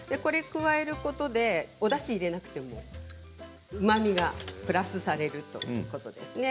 加えることでおだしを入れなくてもうまみがプラスされるということです。